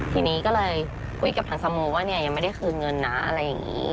ทีนี้ก็เลยคุยกับทางสโมว่าเนี่ยยังไม่ได้คืนเงินนะอะไรอย่างนี้